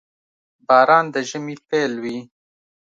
• باران د ژمي پيل وي.